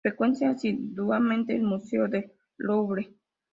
Frecuenta asiduamente el museo del Louvre.